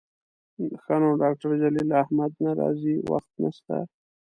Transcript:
ښه نو ډاکتر جلیل احمد نه راځي، وخت نسته